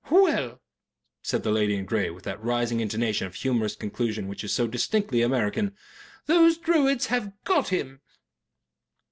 "Well," said the lady in grey, with that rising intonation of humorous conclusion which is so distinctively American, "those Druids have GOT him."